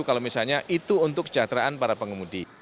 kalau misalnya itu untuk kesejahteraan para pengemudi